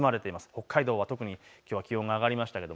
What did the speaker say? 北海道は特にきょうは気温が上がりましたね。